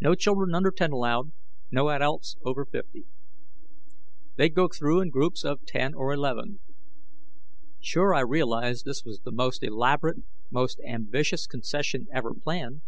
No children under ten allowed; no adults over 50. They'd go through in groups of 10 or 11. Sure, I realized this was the most elaborate, most ambitious concession ever planned.